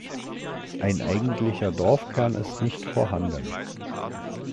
Ein eigentlicher Dorfkern ist nicht vorhanden.